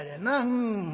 うん」。